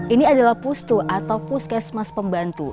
ini adalah pustu atau puskesmas pembantu